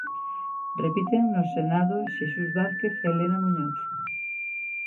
Repiten no Senado Xesús Vázquez e Elena Muñoz.